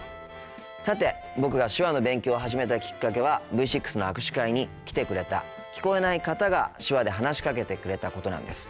さて僕が手話の勉強を始めたきっかけはＶ６の握手会に来てくれた聞こえない方が手話で話しかけてくれたことなんです。